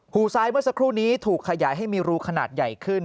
หูซ้ายเมื่อสักครู่นี้ถูกขยายให้มีรูขนาดใหญ่ขึ้น